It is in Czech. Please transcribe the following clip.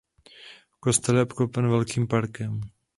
Kostel je obklopen velkým parkem.